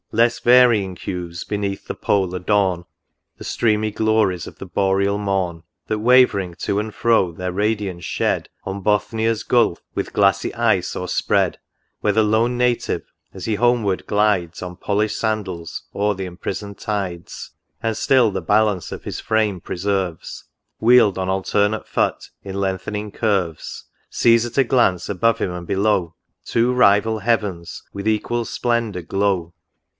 Less varying hues beneath the Pole adorn The streamy glories of the Boreal morn, That wavering to and fro their radiance shed On Bothnia's gulph with glassy ice o'erspread, Where the lone native, as he homeward glides, On polish'd sandals o'er the imprisoned tides, And still the balance of his frame preserves, ^Vheel'd on alternate foot in lengthening curves, Sees at a glance, above him and below, v Two rival heav'ns with equal splendour glow.